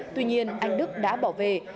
tuy nhiên anh đức đã bỏ về